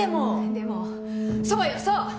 でもそうよそう！